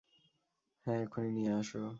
হ্যাঁ, এক্ষুনি নিয়ে আস।